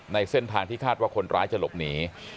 ในเส้นทางที่คาดว่าคนร้ายจะหลบหนี